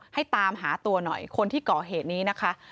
ให้ตามหาตัวหน่อยคนที่ก่อเหตุนี้นะคะ